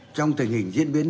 trong tình hình diễn biến